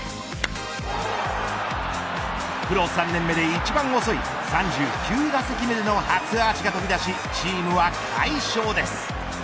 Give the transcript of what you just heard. プロ３年目で一番遅い３９打席目での初アーチが飛び出しチームは快勝です。